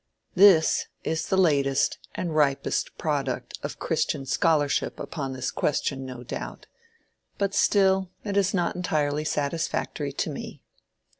This is the latest and ripest product of christian scholarship upon this question no doubt, but still it is not entirely satisfactory to me.